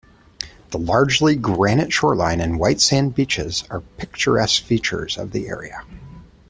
The largely granite shoreline and white sand beaches are picturesque features of the area.